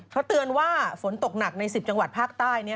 เขาเตือนว่าฝนตกหนักใน๑๐จังหวัดภาคใต้